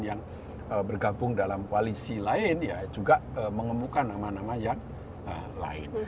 yang bergabung dalam koalisi lain ya juga mengemukan nama nama yang lain